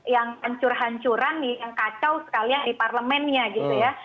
yang hancur hancuran nih yang kacau sekali ya di parlemennya gitu ya